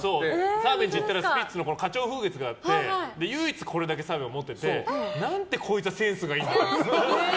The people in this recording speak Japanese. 澤部んち行ったらスピッツの「花鳥風月」があって唯一これだけ澤部が持ってて何てこいつはセンスがいいんだって。